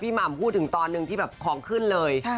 หม่ำพูดถึงตอนหนึ่งที่แบบของขึ้นเลย